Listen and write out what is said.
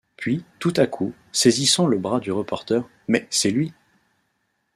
Puis, tout à coup, saisissant le bras du reporter :« Mais c’est lui